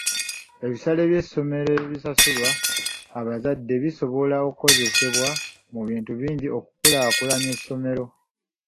Ebisale by'essomero ebisasulwa abazadde bisobola okukozesebwa mu bintu bingi okukulaakulanya essomero.